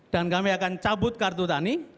kami akan cabut kartu tani